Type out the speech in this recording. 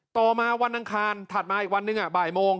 ต่อมาวันอังคารถัดมาอีกวันหนึ่งบ่ายโมง